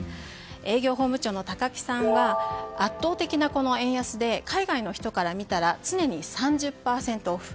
営業本部長の高木さんは圧倒的な円安で海外の人から見たら常に３０％オフ。